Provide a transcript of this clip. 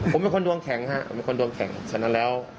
ผมเป็นคนดวงแข็งฉะนั้นแล้ว